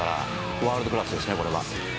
ワールドクラスですね、これは。